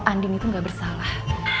andi itu gak bersalah